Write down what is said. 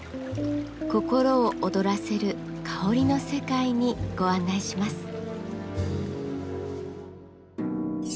心を躍らせる香りの世界にご案内します。